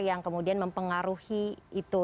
yang kemudian mempengaruhi itu